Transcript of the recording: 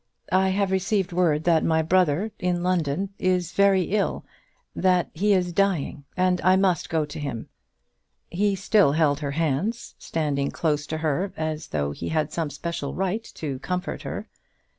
"I have received word that my brother, in London, is very ill, that he is dying, and I must go to him." He still held her hands, standing close to her, as though he had some special right to comfort her.